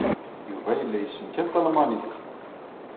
Yuba yella yessen kan talmanit.